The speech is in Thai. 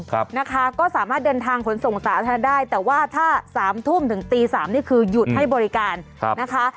ครับนะคะก็สามารถเดินทางขนส่งสาธารณะได้แต่ว่าถ้าสามทุ่มถึงตีสามนี่คือหยุดให้บริการครับนะคะ